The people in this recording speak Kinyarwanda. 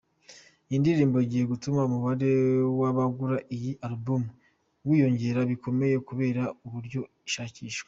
Iyi ndirimbo igiye gutuma umubare w’abagura iyi album wiyongera bikomeye kubera uburyo ishakishwa.